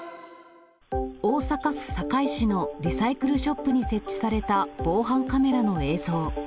大阪府堺市のリサイクルショップに設置された防犯カメラの映像。